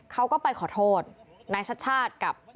เขาก็ไปขอโทษนายชชาศรีธิพันธุ์กับนายสุภาชัย